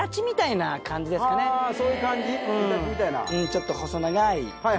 ちょっと細長い。